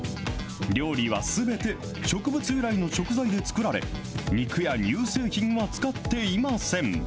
料理はすべて植物由来の食材で作られ、肉や乳製品は使っていません。